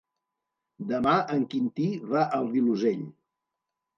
Demà en Quintí va al Vilosell.